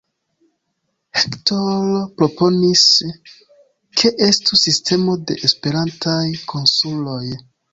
Hector proponis, ke estu sistemo de Esperantaj konsuloj.